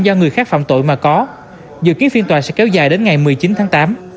do người khác phạm tội mà có dự kiến phiên tòa sẽ kéo dài đến ngày một mươi chín tháng tám